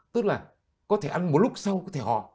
tức là có thể ăn một lúc sau có thể họ